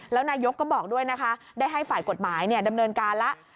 แล้วนายกก็บอกด้วยนะคะได้ให้ฝ่ายกฎหมายดำเนินการแล้ว